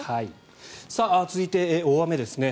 続いて大雨ですね。